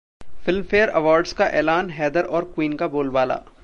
Filmfare awards का ऐलान, 'हैदर' और 'क्वीन' का बोलबाला